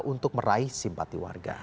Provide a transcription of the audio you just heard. untuk meraih simpati warga